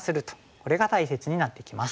これが大切になってきます。